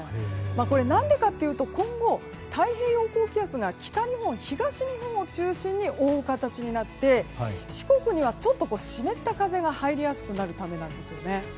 なんでかというと今後、太平洋高気圧が北日本、東日本を中心に覆う形になって四国には湿った風が入りやすくなるためなんですね。